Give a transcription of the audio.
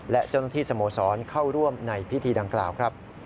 และเจ้าหน้าที่สโมสรเข้าร่วมในพิธีดังกล่าวครับ